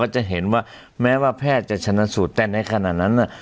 เห็นว่าแม้ว่าแพทย์แสนสุดแต่นั้นขนาดนั้นน่ะ